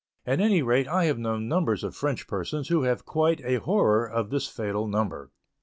At any rate, I have known numbers of French persons who had quite a horror of this fatal number.